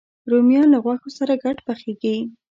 رومیان له غوښو سره ګډ پخېږي